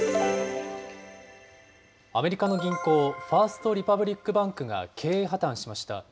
アメリカの銀行、ファースト・リパブリック・バンクが経営破綻しました。